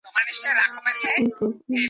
উপর খুব গরম।